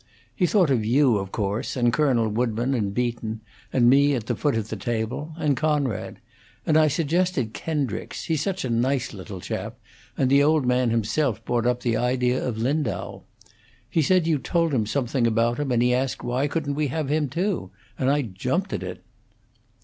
He thought of you, of course, and Colonel Woodburn, and Beaton, and me at the foot of the table; and Conrad; and I suggested Kendricks: he's such a nice little chap; and the old man himself brought up the idea of Lindau. He said you told him something about him, and he asked why couldn't we have him, too; and I jumped at it."